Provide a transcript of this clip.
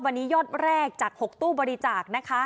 วันนี้ยอดแรกจาก๖ตู้บริจาคนะคะ